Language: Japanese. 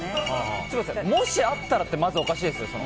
もしあったらっておかしいですよ。